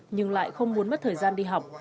nhưng lại không muốn mất thời gian đi học